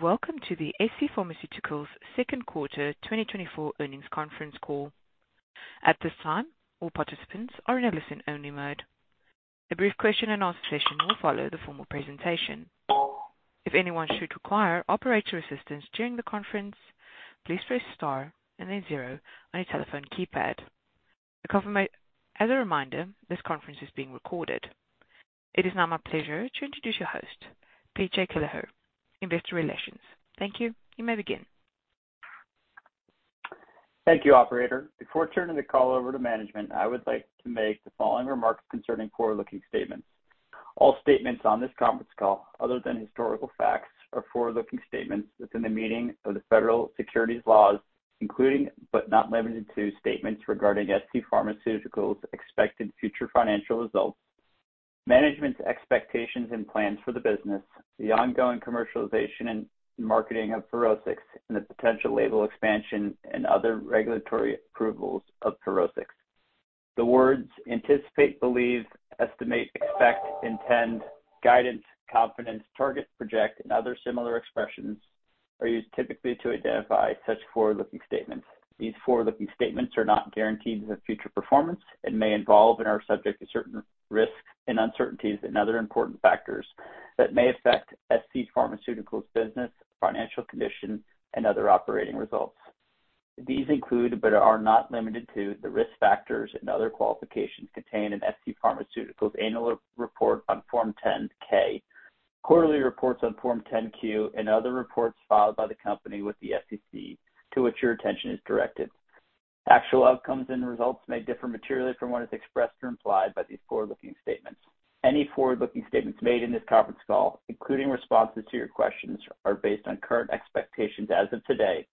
Welcome to the scPharmaceuticals second quarter 2024 earnings conference call. At this time, all participants are in a listen-only mode. A brief question-and-answer session will follow the formal presentation. If anyone should require operator assistance during the conference, please press star and then zero on your telephone keypad. As a reminder, this conference is being recorded. It is now my pleasure to introduce your host, PJ Kelleher, Investor Relations. Thank you. You may begin. Thank you, operator. Before turning the call over to management, I would like to make the following remarks concerning forward-looking statements. All statements on this conference call, other than historical facts, are forward-looking statements within the meaning of the federal securities laws, including, but not limited to, statements regarding scPharmaceuticals' expected future financial results, management's expectations and plans for the business, the ongoing commercialization and marketing of FUROSCIX, and the potential label expansion and other regulatory approvals of FUROSCIX. The words anticipate, believe, estimate, expect, intend, guidance, confidence, target, project, and other similar expressions, are used typically to identify such forward-looking statements. These forward-looking statements are not guarantees of future performance and may involve and are subject to certain risks and uncertainties and other important factors that may affect scPharmaceuticals' business, financial condition, and other operating results. These include, but are not limited to, the risk factors and other qualifications contained in scPharmaceuticals' annual report on Form 10-K, quarterly reports on Form 10-Q, and other reports filed by the company with the SEC, to which your attention is directed. Actual outcomes and results may differ materially from what is expressed or implied by these forward-looking statements. Any forward-looking statements made in this conference call, including responses to your questions, are based on current expectations as of today,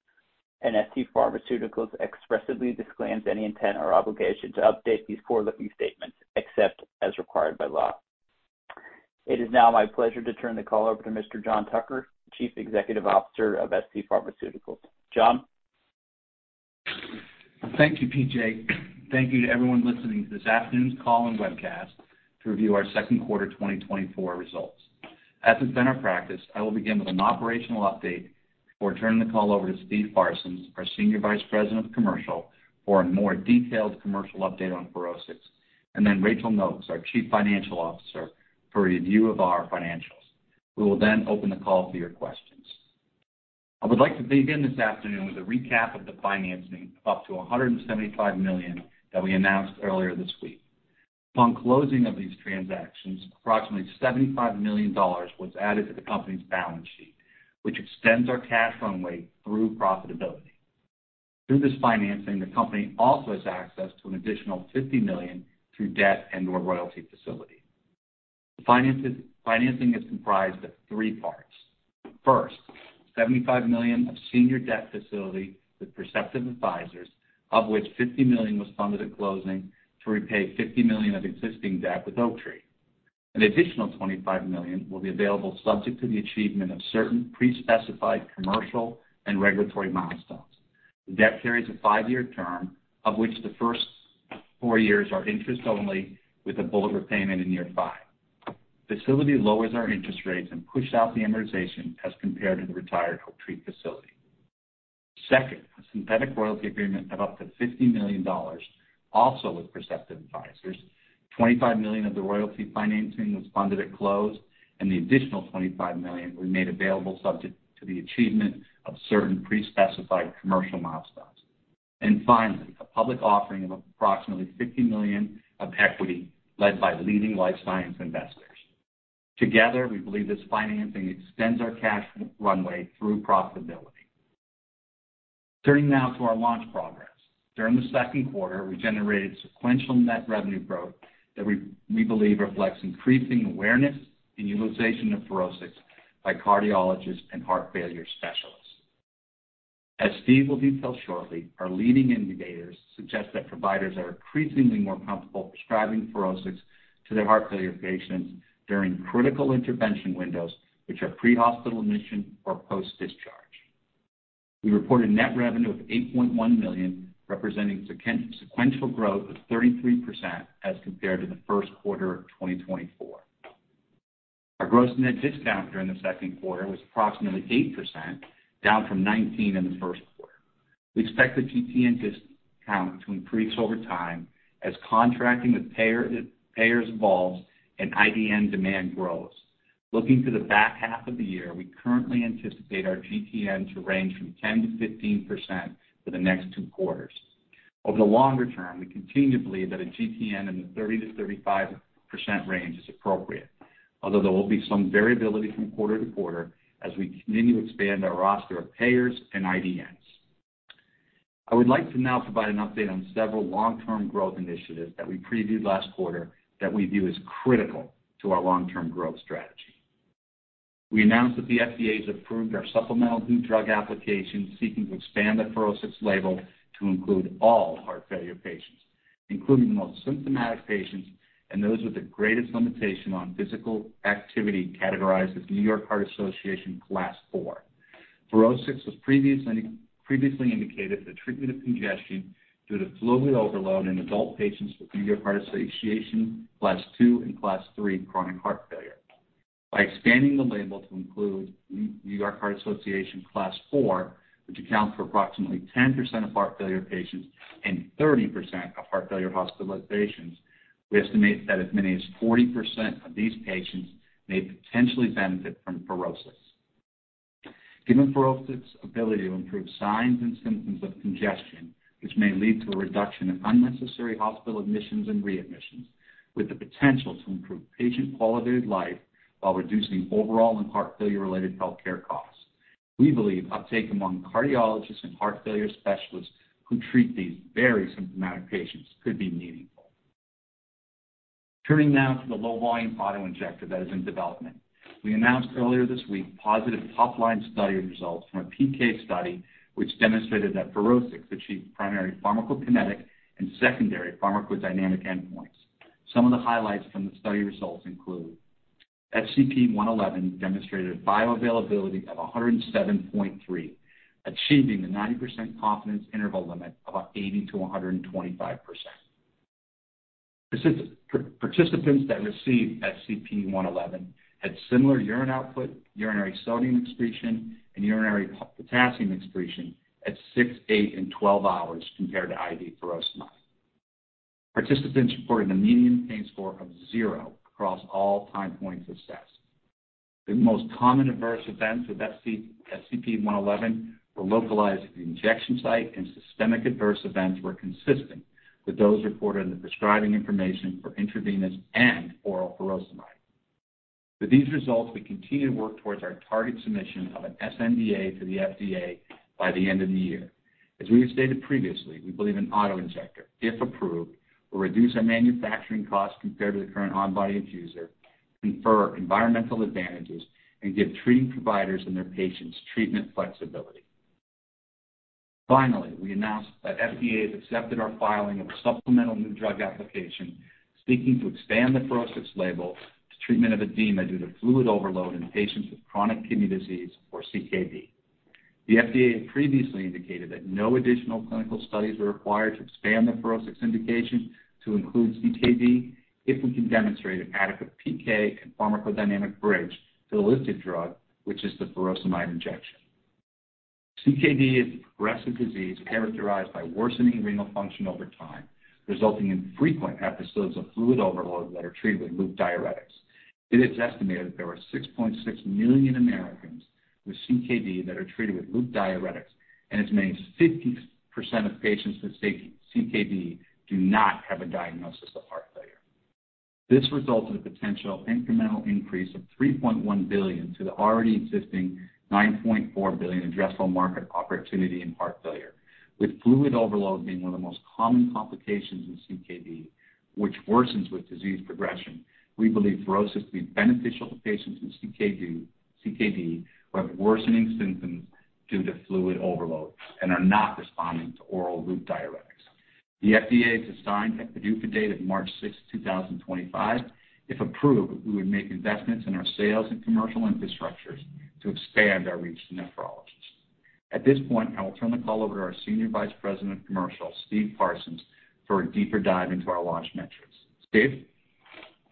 and scPharmaceuticals expressly disclaims any intent or obligation to update these forward-looking statements, except as required by law. It is now my pleasure to turn the call over to Mr. John Tucker, Chief Executive Officer of scPharmaceuticals. John? Thank you, PJ. Thank you to everyone listening to this afternoon's call and webcast to review our second quarter 2024 results. As has been our practice, I will begin with an operational update before turning the call over to Steve Parsons, our Senior Vice President of Commercial, for a more detailed commercial update on FUROSCIX, and then Rachael Noke, our Chief Financial Officer, for a review of our financials. We will then open the call to your questions. I would like to begin this afternoon with a recap of the financing up to $175 million that we announced earlier this week. Upon closing of these transactions, approximately $75 million was added to the company's balance sheet, which extends our cash runway through profitability. Through this financing, the company also has access to an additional $50 million through debt and/or royalty facility. Financing—financing is comprised of three parts. First, $75 million of senior debt facility with Perceptive Advisors, of which $50 million was funded at closing to repay $50 million of existing debt with Oaktree. An additional $25 million will be available subject to the achievement of certain pre-specified commercial and regulatory milestones. The debt carries a five-year term, of which the first four years are interest only, with a bullet repayment in year five. Facility lowers our interest rates and pushed out the amortization as compared to the retired Oaktree facility. Second, a synthetic royalty agreement of up to $50 million, also with Perceptive Advisors. $25 million of the royalty financing was funded at close, and the additional $25 million were made available subject to the achievement of certain pre-specified commercial milestones. Finally, a public offering of approximately $50 million of equity led by leading life science investors. Together, we believe this financing extends our cash runway through profitability. Turning now to our launch progress. During the second quarter, we generated sequential net revenue growth that we, we believe reflects increasing awareness and utilization of FUROSCIX by cardiologists and heart failure specialists. As Steve will detail shortly, our leading indicators suggest that providers are increasingly more comfortable prescribing FUROSCIX to their heart failure patients during critical intervention windows, which are pre-hospital admission or post-discharge. We reported net revenue of $8.1 million, representing sequential growth of 33% as compared to the first quarter of 2024. Our gross-to-net discount during the second quarter was approximately 8%, down from 19% in the first quarter. We expect the GTN discount to increase over time as contracting with payers evolves and IDN demand grows. Looking to the back half of the year, we currently anticipate our GTN to range from 10%-15% for the next two quarters. Over the longer term, we continue to believe that a GTN in the 30%-35% range is appropriate, although there will be some variability from quarter to quarter as we continue to expand our roster of payers and IDNs. I would like to now provide an update on several long-term growth initiatives that we previewed last quarter that we view as critical to our long-term growth strategy. We announced that the FDA has approved our supplemental new drug application, seeking to expand the FUROSCIX label to include all heart failure patients, including the most symptomatic patients and those with the greatest limitation on physical activity, categorized as New York Heart Association Class IV. FUROSCIX was previously indicated for the treatment of congestion due to fluid overload in adult patients with New York Heart Association Class II and Class III chronic heart failure. By expanding the label to include New York Heart Association Class IV, which accounts for approximately 10% of heart failure patients and 30% of heart failure hospitalizations, we estimate that as many as 40% of these patients may potentially benefit from FUROSCIX. Given FUROSCIX's ability to improve signs and symptoms of congestion, which may lead to a reduction in unnecessary hospital admissions and readmissions, with the potential to improve patient quality of life while reducing overall and heart failure-related healthcare costs, we believe uptake among cardiologists and heart failure specialists who treat these very symptomatic patients could be meaningful. Turning now to the low-volume auto-injector that is in development. We announced earlier this week, positive top-line study results from a PK study, which demonstrated that FUROSCIX achieved primary pharmacokinetic and secondary pharmacodynamic endpoints. Some of the highlights from the study results include: SCP-111 demonstrated a bioavailability of 107.3, achieving the 90% confidence interval limit of 80%-125%. Participants that received SCP-111 had similar urine output, urinary sodium excretion, and urinary potassium excretion at six, eight, and 12 hours compared to IV furosemide. Participants reported a median pain score of 0 across all time points assessed. The most common adverse events with SCP-111 were localized at the injection site, and systemic adverse events were consistent with those reported in the prescribing information for intravenous and oral furosemide. With these results, we continue to work towards our target submission of an sNDA to the FDA by the end of the year. As we have stated previously, we believe an auto injector, if approved, will reduce our manufacturing costs compared to the current on-body infuser, confer environmental advantages, and give treating providers and their patients treatment flexibility. Finally, we announced that FDA has accepted our filing of a Supplemental New Drug Application, seeking to expand the FUROSCIX label to treatment of edema due to fluid overload in patients with Chronic Kidney Disease or CKD. The FDA had previously indicated that no additional clinical studies were required to expand the FUROSCIX indication to include CKD, if we can demonstrate an adequate PK and pharmacodynamic bridge to the listed drug, which is the furosemide injection. CKD is a progressive disease characterized by worsening renal function over time, resulting in frequent episodes of fluid overload that are treated with loop diuretics. It is estimated that there are 6.6 million Americans with CKD that are treated with loop diuretics, and as many as 50% of patients with stage CKD do not have a diagnosis of heart failure. This results in a potential incremental increase of $3.1 billion to the already existing $9.4 billion addressable market opportunity in heart failure, with fluid overload being one of the most common complications in CKD, which worsens with disease progression. We believe FUROSCIX to be beneficial to patients with CKD who have worsening symptoms due to fluid overload and are not responding to oral loop diuretics. The FDA has assigned a PDUFA date of March 6, 2025. If approved, we would make investments in our sales and commercial infrastructures to expand our reach to nephrologists. At this point, I will turn the call over to our Senior Vice President of Commercial, Steve Parsons, for a deeper dive into our launch metrics. Steve?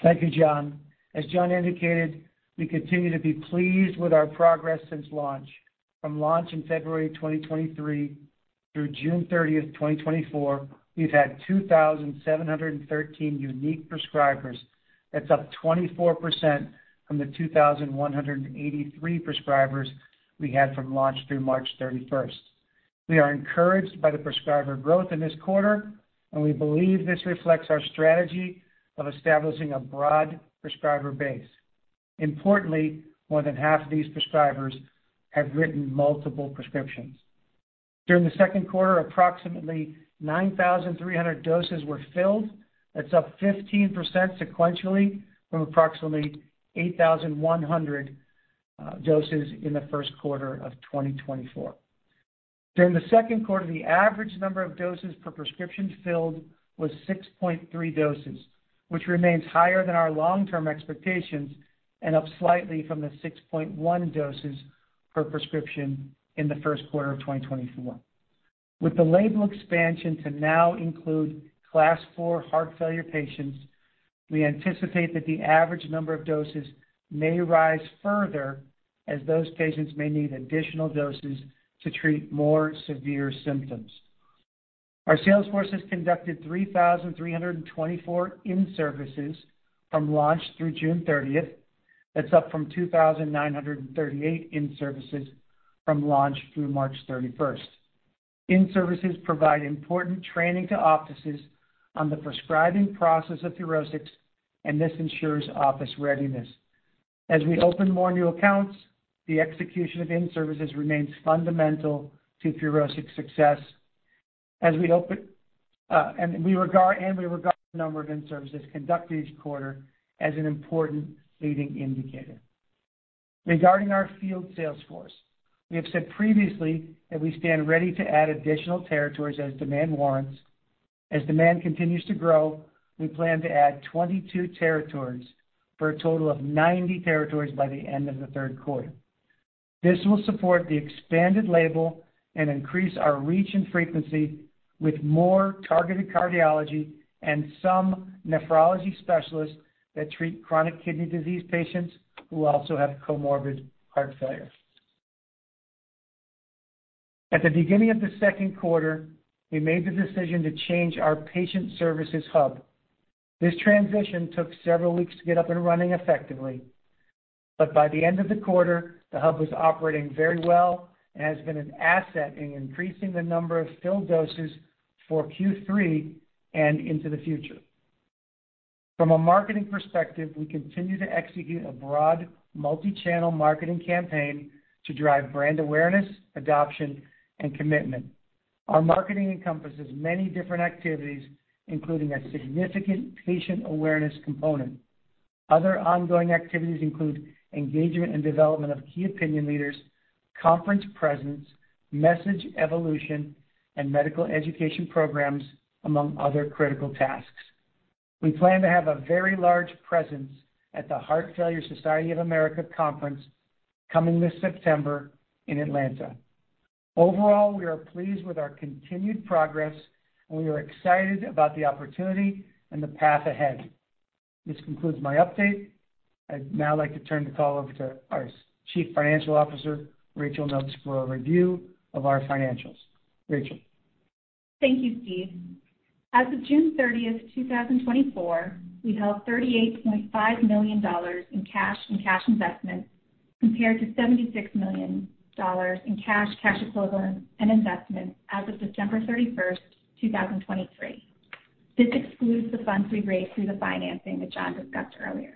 Thank you, John. As John indicated, we continue to be pleased with our progress since launch. From launch in February 2023 through June 30th, 2024, we've had 2,713 unique prescribers. That's up 24% from the 2,183 prescribers we had from launch through March 31st. We are encouraged by the prescriber growth in this quarter, and we believe this reflects our strategy of establishing a broad prescriber base. Importantly, more than half of these prescribers have written multiple prescriptions. During the second quarter, approximately 9,300 doses were filled. That's up 15% sequentially from approximately 8,100 doses in the first quarter of 2024. During the second quarter, the average number of doses per prescriptions filled was 6.3 doses, which remains higher than our long-term expectations and up slightly from the 6.1 doses per prescription in the first quarter of 2024. With the label expansion to now include Class IV Heart Failure patients, we anticipate that the average number of doses may rise further as those patients may need additional doses to treat more severe symptoms. Our sales force has conducted 3,324 in-services from launch through June 30th. That's up from 2,938 in-services from launch through March 31st. In-services provide important training to offices on the prescribing process of FUROSCIX, and this ensures office readiness. As we open more new accounts, the execution of in-services remains fundamental to FUROSCIX success. As we open, and we regard the number of in-services conducted each quarter as an important leading indicator. Regarding our field sales force, we have said previously that we stand ready to add additional territories as demand warrants. As demand continues to grow, we plan to add 22 territories for a total of 90 territories by the end of the third quarter. This will support the expanded label and increase our reach and frequency with more targeted cardiology and some nephrology specialists that treat chronic kidney disease patients who also have comorbid heart failure. At the beginning of the second quarter, we made the decision to change our patient services hub. This transition took several weeks to get up and running effectively, but by the end of the quarter, the hub was operating very well and has been an asset in increasing the number of filled doses for Q3 and into the future. From a marketing perspective, we continue to execute a broad multi-channel marketing campaign to drive brand awareness, adoption, and commitment. Our marketing encompasses many different activities, including a significant patient awareness component. Other ongoing activities include engagement and development of key opinion leaders, conference presence, message evolution, and medical education programs, among other critical tasks. We plan to have a very large presence at the Heart Failure Society of America conference coming this September in Atlanta. Overall, we are pleased with our continued progress, and we are excited about the opportunity and the path ahead. This concludes my update. I'd now like to turn the call over to our Chief Financial Officer, Rachael Noke, for a review of our financials. Rachael? Thank you, Steve. As of June 30th, 2024, we held $38.5 million in cash and cash investments, compared to $76 million in cash, cash equivalents, and investments as of September 31st, 2023. This excludes the funds we raised through the financing that John discussed earlier.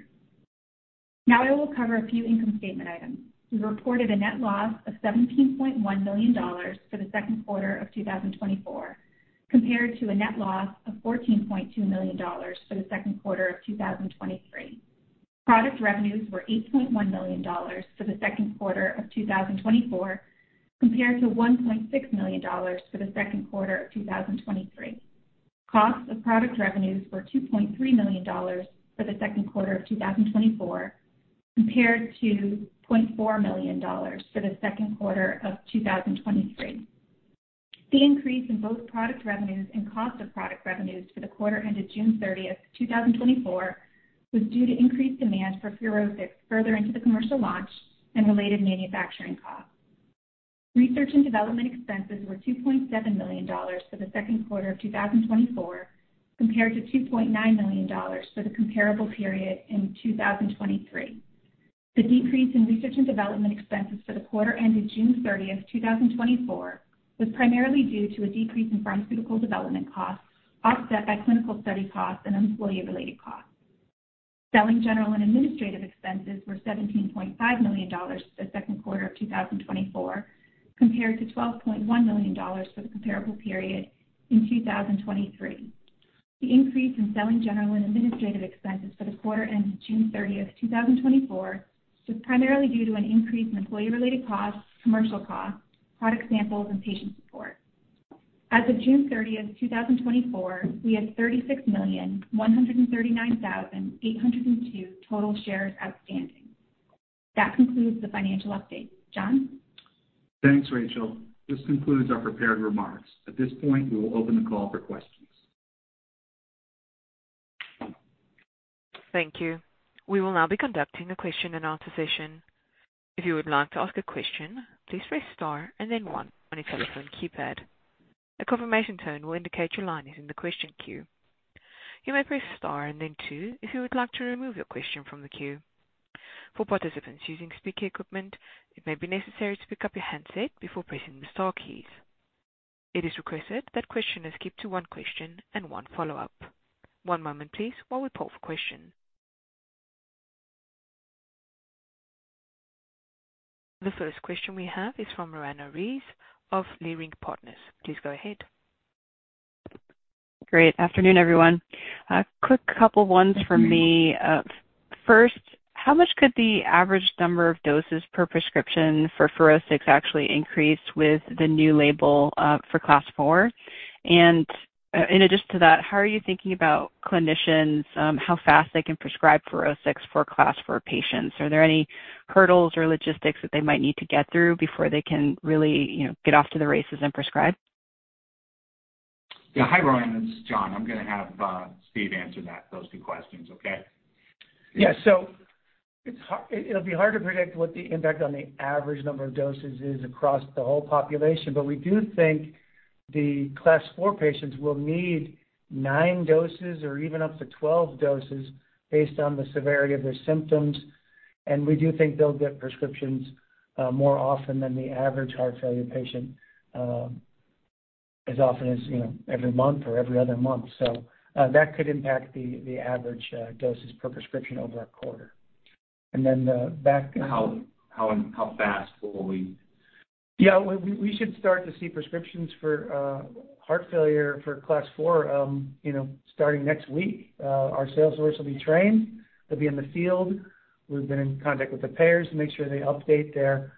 Now I will cover a few income statement items. We reported a net loss of $17.1 million for the second quarter of 2024, compared to a net loss of $14.2 million for the second quarter of 2023. Product revenues were $8.1 million for the second quarter of 2024, compared to $1.6 million for the second quarter of 2023. Cost of product revenues were $2.3 million for the second quarter of 2024, compared to $0.4 million for the second quarter of 2023. The increase in both product revenues and cost of product revenues for the quarter ended June 30th, 2024, was due to increased demand for FUROSCIX further into the commercial launch and related manufacturing costs. Research and development expenses were $2.7 million for the second quarter of 2024, compared to $2.9 million for the comparable period in 2023. The decrease in research and development expenses for the quarter ended June 30th, 2024, was primarily due to a decrease in pharmaceutical development costs, offset by clinical study costs and employee-related costs. Selling, general and administrative expenses were $17.5 million for the second quarter of 2024, compared to $12.1 million for the comparable period in 2023. The increase in selling, general and administrative expenses for the quarter ended June 30th, 2024, was primarily due to an increase in employee-related costs, commercial costs, product samples, and patient support. As of June 30th, 2024, we had 36,139,802 total shares outstanding. That concludes the financial update. John? Thanks, Rachael. This concludes our prepared remarks. At this point, we will open the call for questions. Thank you. We will now be conducting a question and answer session. If you would like to ask a question, please press star and then one on your telephone keypad. A confirmation tone will indicate your line is in the question queue. You may press star and then two if you would like to remove your question from the queue. For participants using speaker equipment, it may be necessary to pick up your handset before pressing the star keys. It is requested that questioners keep to one question and one follow-up. One moment, please, while we poll for questions. The first question we have is from Roanna Ruiz of Leerink Partners. Please go ahead. Great. Afternoon, everyone. Quick couple ones from me. First, how much could the average number of doses per prescription for FUROSCIX actually increase with the new label, for Class IV? And, in addition to that, how are you thinking about clinicians, how fast they can prescribe FUROSCIX for Class IV patients? Are there any hurdles or logistics that they might need to get through before they can really, you know, get off to the races and prescribe? Yeah. Hi, Roanna, it's John. I'm going to have, Steve answer that, those two questions, okay? Yeah. So it's hard—it'll be hard to predict what the impact on the average number of doses is across the whole population, but we do think the Class IV patients will need nine doses or even up to 12 doses based on the severity of their symptoms. And we do think they'll get prescriptions more often than the average heart failure patient, as often as, you know, every month or every other month. So, that could impact the average doses per prescription over a quarter. And then, back- How fast will we? Yeah, we should start to see prescriptions for heart failure for Class four, you know, starting next week. Our sales force will be trained. They'll be in the field. We've been in contact with the payers to make sure they update their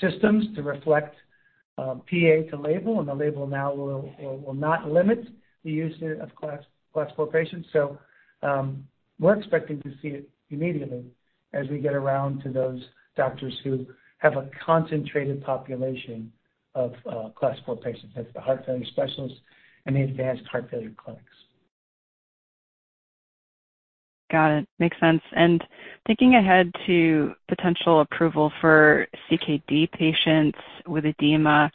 systems to reflect PA to label, and the label now will not limit the use of class four patients. So, we're expecting to see it immediately as we get around to those doctors who have a concentrated population of class four patients, that's the heart failure specialists and the advanced heart failure clinics. Got it. Makes sense. Thinking ahead to potential approval for CKD patients with edema,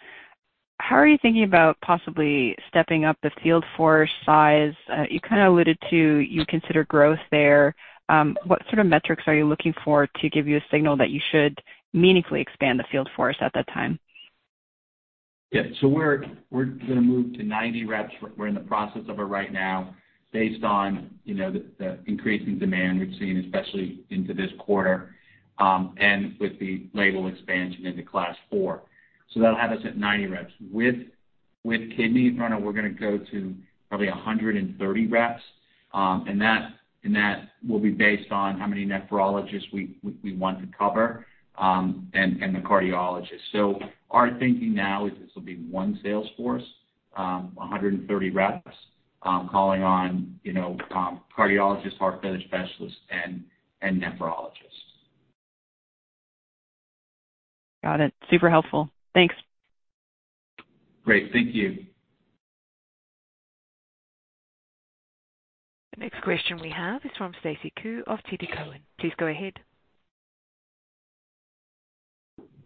how are you thinking about possibly stepping up the field force size? You kind of alluded to you consider growth there. What sort of metrics are you looking for to give you a signal that you should meaningfully expand the field force at that time? Yeah, so we're gonna move to 90 reps. We're in the process of it right now, based on, you know, the increasing demand we've seen, especially into this quarter, and with the label expansion into Class IV. So that'll have us at 90 reps. With CKD, we're gonna go to probably 130 reps, and that will be based on how many nephrologists we want to cover, and the cardiologists. So our thinking now is this will be one sales force, 130 reps, calling on, you know, cardiologists, heart failure specialists, and nephrologists. Got it. Super helpful. Thanks. Great. Thank you. The next question we have is from Stacy Ku of TD Cowen. Please go ahead.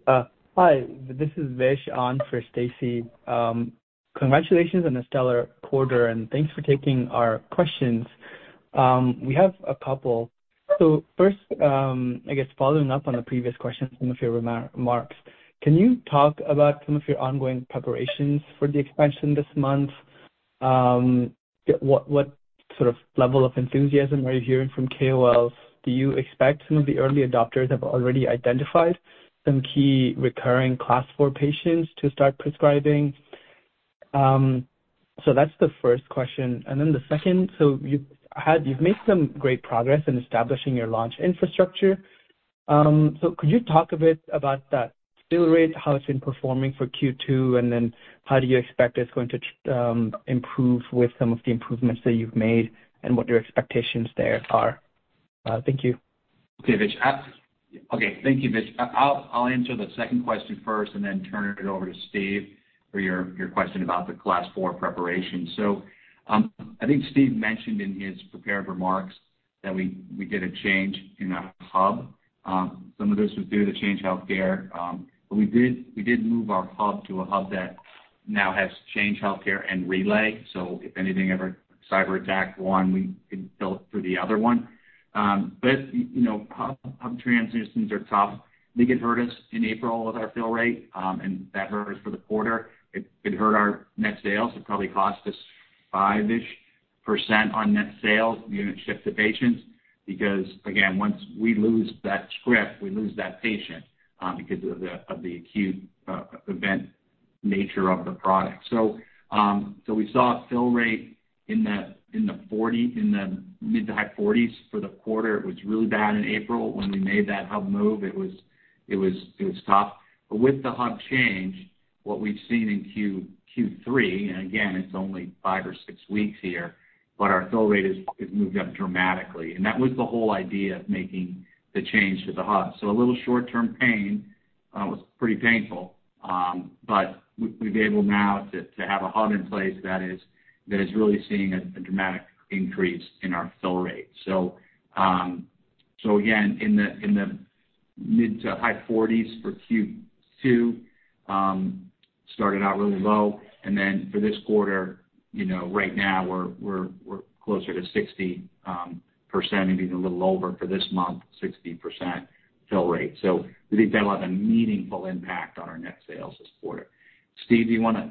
Hi, this is Vish on for Stacy. Congratulations on a stellar quarter, and thanks for taking our questions. We have a couple. So first, I guess following up on the previous question, some of your remarks, can you talk about some of your ongoing preparations for the expansion this month? What sort of level of enthusiasm are you hearing from KOLs? Do you expect some of the early adopters have already identified some key recurring Class IV patients to start prescribing? So that's the first question. And then the second, so you've made some great progress in establishing your launch infrastructure. Could you talk a bit about that fill rate, how it's been performing for Q2, and then how do you expect it's going to improve with some of the improvements that you've made and what your expectations there are? Thank you. Okay, Vish. Okay, thank you, Vish. I'll answer the second question first and then turn it over to Steve for your question about the Class four preparation. So, I think Steve mentioned in his prepared remarks that we did a change in our hub. Some of this was due to Change Healthcare, but we did move our hub to a hub that now has Change Healthcare and Relay, so if anything, ever cyberattack one, we could build through the other one. But you know, hub transitions are tough. They could hurt us in April with our fill rate, and that hurt us for the quarter. It hurt our net sales. It probably cost us 5-ish% on net sales, units shipped to patients, because, again, once we lose that script, we lose that patient, because of the acute event nature of the product. So, we saw a fill rate in the 40s, in the mid- to high 40s for the quarter. It was really bad in April when we made that hub move. It was tough. But with the hub change, what we've seen in Q2-Q3, and again, it's only five or six weeks here, but our fill rate has moved up dramatically, and that was the whole idea of making the change to the hub. So a little short-term pain was pretty painful, but we're able now to have a hub in place that is really seeing a dramatic increase in our fill rate. So, so again, in the mid- to high 40s for Q2, started out really low, and then for this quarter, you know, right now we're closer to 60%, maybe a little lower for this month, 60% fill rate. So we think that'll have a meaningful impact on our net sales this quarter. Steve, do you want to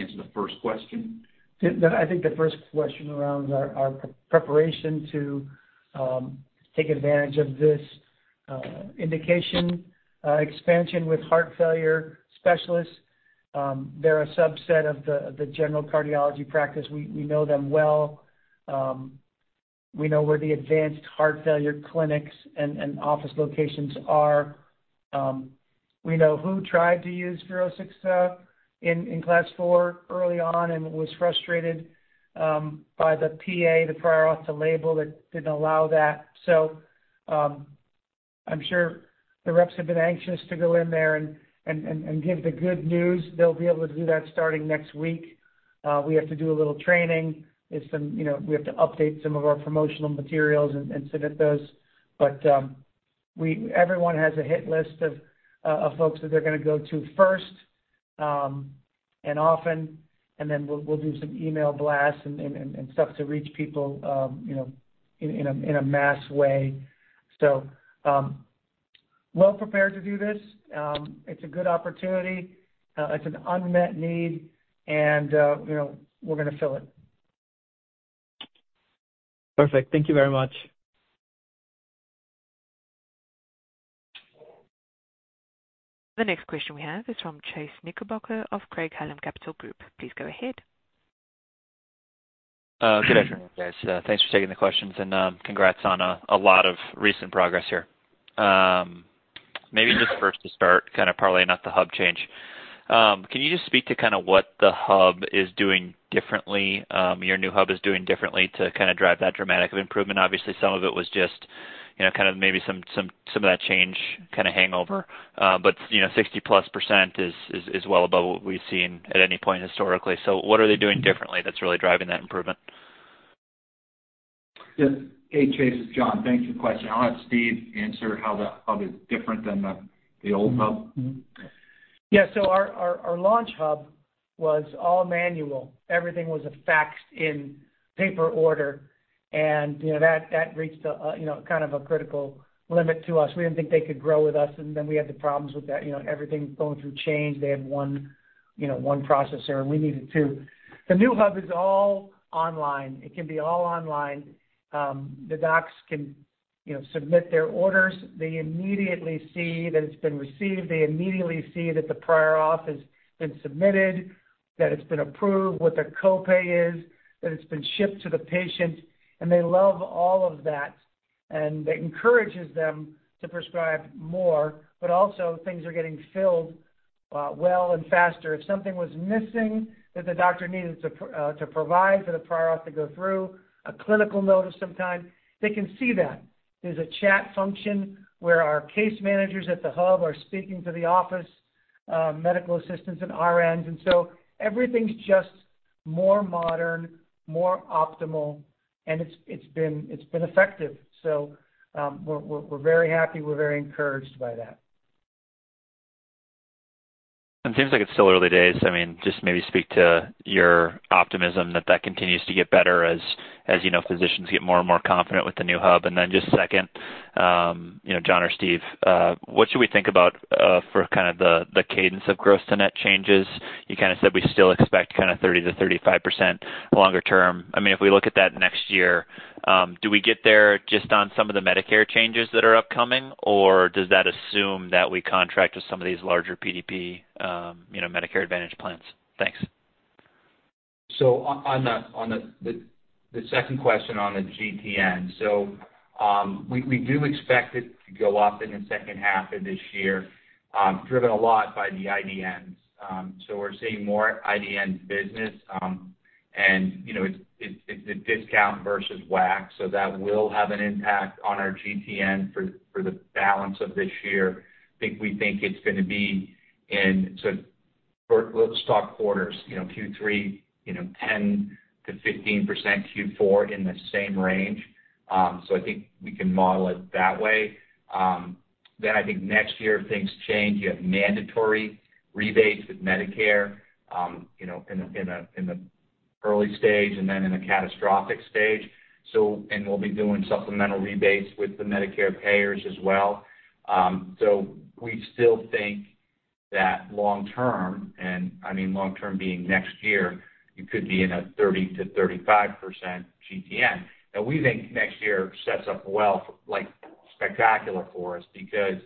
answer the first question? Yeah, I think the first question around our preparation to take advantage of this indication expansion with heart failure specialists. They're a subset of the general cardiology practice. We know them well. We know where the advanced heart failure clinics and office locations are. We know who tried to use FUROSCIX in Class IV early on and was frustrated by the PA, the prior auth to label it, didn't allow that. So, I'm sure the reps have been anxious to go in there and give the good news. They'll be able to do that starting next week. We have to do a little training. There's some... You know, we have to update some of our promotional materials and submit those. But, everyone has a hit list of folks that they're gonna go to first, and often, and then we'll do some email blasts and stuff to reach people, you know, in a mass way. So, well prepared to do this. It's a good opportunity, it's an unmet need, and you know, we're gonna fill it. Perfect. Thank you very much. The next question we have is from Chase Knickerbocker of Craig-Hallum Capital Group. Please go ahead.... Good afternoon, guys. Thanks for taking the questions, and congrats on a lot of recent progress here. Maybe just first to start, kind of probably not the hub change. Can you just speak to kind of what the hub is doing differently, your new hub is doing differently to kind of drive that dramatic of improvement? Obviously, some of it was just, you know, kind of maybe some, some, some of that change kind of hangover. But, you know, 60+% is well above what we've seen at any point historically. So what are they doing differently that's really driving that improvement? Yeah. Hey, Chase, it's John. Thanks for the question. I'll have Steve answer how the hub is different than the old hub. Mm-hmm. Yeah, so our launch hub was all manual. Everything was a faxed-in paper order, and, you know, that reached a, you know, kind of a critical limit to us. We didn't think they could grow with us, and then we had the problems with that, you know, everything going through Change. They had one processor, and we needed two. The new hub is all online. It can be all online. The docs can, you know, submit their orders. They immediately see that it's been received. They immediately see that the prior auth has been submitted, that it's been approved, what their copay is, that it's been shipped to the patient, and they love all of that. And it encourages them to prescribe more, but also things are getting filled well and faster. If something was missing that the doctor needed to provide for the prior auth to go through, a clinical note of some kind, they can see that. There's a chat function where our case managers at the hub are speaking to the office, medical assistants and RNs. And so everything's just more modern, more optimal, and it's, it's been, it's been effective. So, we're, we're, we're very happy, we're very encouraged by that. It seems like it's still early days. I mean, just maybe speak to your optimism that that continues to get better as, as you know, physicians get more and more confident with the new hub. And then just second, you know, John or Steve, what should we think about for kind of the cadence of gross to net changes? You kind of said we still expect kind of 30%-35% longer term. I mean, if we look at that next year, do we get there just on some of the Medicare changes that are upcoming, or does that assume that we contract with some of these larger PDP, you know, Medicare Advantage plans? Thanks. So on the second question on the GTN. So, we do expect it to go up in the second half of this year, driven a lot by the IDNs. So we're seeing more IDN business, and, you know, it's a discount versus WAC, so that will have an impact on our GTN for the balance of this year. I think we think it's gonna be in, so for, let's talk quarters, you know, Q3, you know, 10%-15%, Q4 in the same range. So I think we can model it that way. Then I think next year, things change. You have mandatory rebates with Medicare, you know, in the early stage and then in the catastrophic stage. So, and we'll be doing supplemental rebates with the Medicare payers as well. So we still think that long term, and I mean long term being next year, you could be in a 30%-35% GTN. And we think next year sets up well, like, spectacular for us because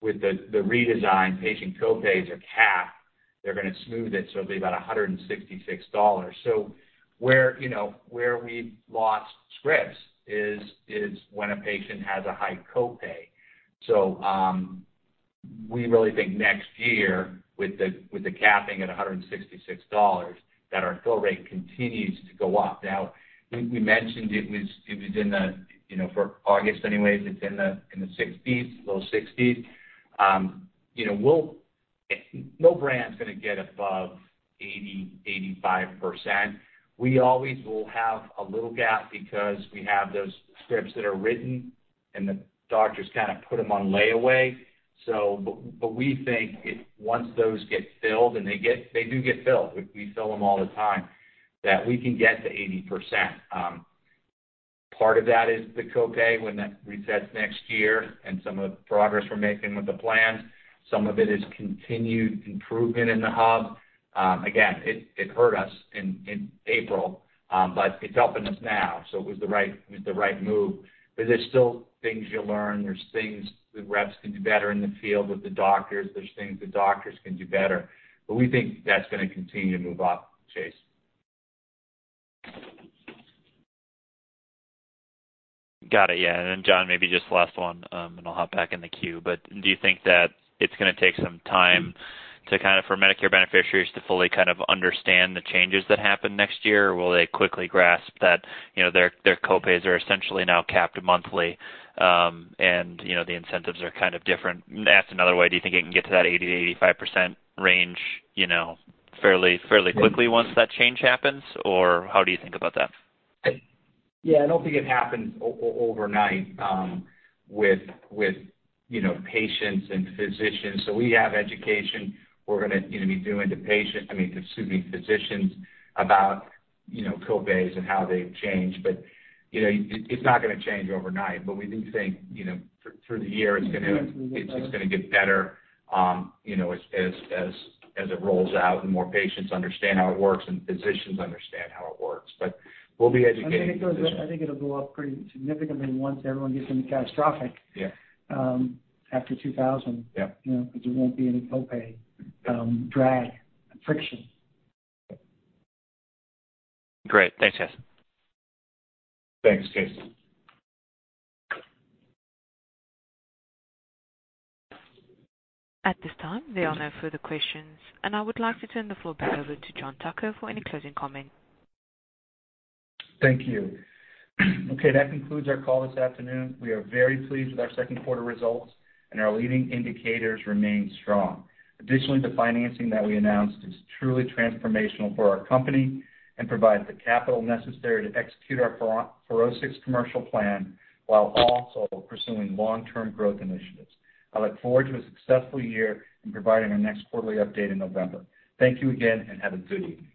with the, the redesign, patient copays are capped. They're gonna smooth it, so it'll be about $166. So where, you know, where we've lost scripts is when a patient has a high copay. So, we really think next year, with the, with the capping at $166, that our fill rate continues to go up. Now, we mentioned it was in the, you know, for August anyways, it's in the, in the 60s, low 60s. You know, we'll—no brand's gonna get above 80%-85%. We always will have a little gap because we have those scripts that are written, and the doctors kind of put them on layaway. So but, but we think it—once those get filled, and they get, they do get filled, we, we fill them all the time, that we can get to 80%. Part of that is the copay, when that resets next year and some of the progress we're making with the plan. Some of it is continued improvement in the hub. Again, it hurt us in April, but it's helping us now, so it was the right, it was the right move. But there's still things you learn. There's things the reps can do better in the field with the doctors. There's things the doctors can do better. But we think that's gonna continue to move up, Chase. Got it, yeah, and then, John, maybe just last one, and I'll hop back in the queue. But do you think that it's gonna take some time to kind of for Medicare beneficiaries to fully kind of understand the changes that happen next year? Or will they quickly grasp that, you know, their, their copays are essentially now capped monthly, and, you know, the incentives are kind of different? Asked another way, do you think it can get to that 80%-85% range, you know, fairly, fairly quickly once that change happens, or how do you think about that? Yeah, I don't think it happens overnight, with, you know, patients and physicians. So we have education. We're gonna, you know, be doing the patient, I mean, excuse me, physicians about, you know, copays and how they've changed. But, you know, it, it's not gonna change overnight. But we do think, you know, through the year, it's gonna, it's just gonna get better, you know, as it rolls out and more patients understand how it works and physicians understand how it works. But we'll be educating- I think it goes, I think it'll go up pretty significantly once everyone gets into catastrophic- Yeah. after 2000. Yeah. You know, because there won't be any copay, drag and friction. Great. Thanks, guys. Thanks, Chase. At this time, there are no further questions, and I would like to turn the floor back over to John Tucker for any closing comments. Thank you. Okay, that concludes our call this afternoon. We are very pleased with our second quarter results, and our leading indicators remain strong. Additionally, the financing that we announced is truly transformational for our company and provides the capital necessary to execute our FUROSCIX commercial plan, while also pursuing long-term growth initiatives. I look forward to a successful year in providing our next quarterly update in November. Thank you again, and have a good evening.